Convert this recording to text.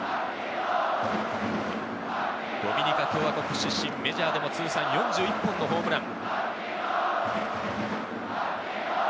ドミニカ共和国出身、メジャーでも通算４１本のホームラン。